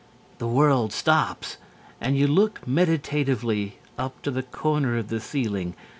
The world stops and you look meditatively up to the corner of the ceiling.